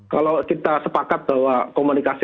kalau kita sepakat bahwa komunikasi